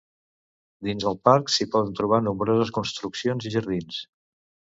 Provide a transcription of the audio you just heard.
Dins el parc, s'hi poden trobar nombroses construccions i jardins.